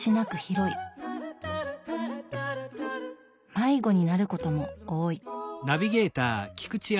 迷子になることも多い。